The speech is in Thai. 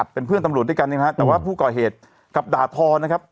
เป็นเพื่อนตำรวจด้วยกันนะครับแต่ว่าผู้ก่อเหตุกลับด่าทอนะครับ